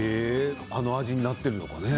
あの味になっているのかね。